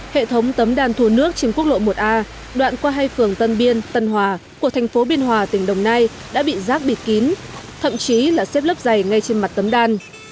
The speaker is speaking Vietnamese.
hệ thống tấm đan thù nước trên quốc lộ một a đoạn qua hai phường tân biên tân hòa của thành phố biên hòa tỉnh đồng nai đã bị rác bịt kín thậm chí là xếp lớp dày ngay trên mặt tấm đan